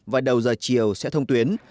và đầu giờ chiều sẽ thông tuyến